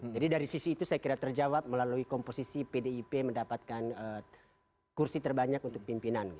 jadi dari sisi itu saya kira terjawab melalui komposisi pdip mendapatkan kursi terbanyak untuk pimpinan